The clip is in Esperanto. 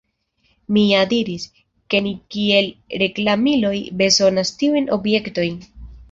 Mi ja diris, ke ni kiel reklamiloj bezonas tiujn objektojn.